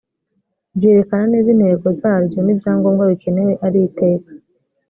ryerekana neza intego zaryo n ibyangombwa bikenewe ari iteka